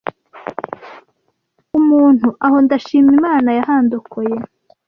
umuntu aho ndashima Imana yahandokoye